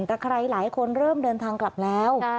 แต่ใครหลายคนเริ่มเดินทางกลับแล้ว